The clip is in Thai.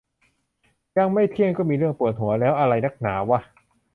ยังไม่เที่ยงก็มีเรื่องปวดหัวแล้ว อะไรนักหนาวะ